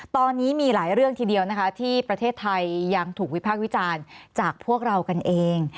ตอนนี้มีหลายเรื่องทีเดียวนะคะที่ประเทศไทยยังถูกวิพากษ์วิจารณ์จากพวกเรากันเอง